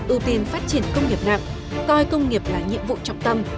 ưu tiên phát triển công nghiệp nặng coi công nghiệp là nhiệm vụ trọng tâm